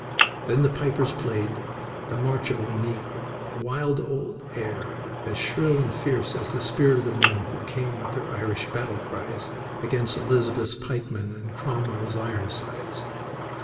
Then the pipers played the "March of O'Neill," a wild old air as shrill and fierce as the spirit of the men who came with their Irish battle cries against Elizabeth's pikemen and Cromwell's Ironsides.